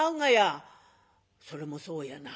「それもそうやな。